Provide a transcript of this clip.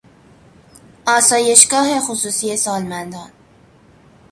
آسایشگاه خصوصی سالمندان